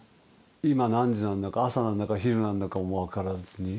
今何時なんだか朝なんだか昼なんだかもわからずに。